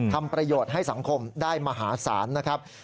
ทำประโยชน์ให้สังคมได้มหาศาลนะครับ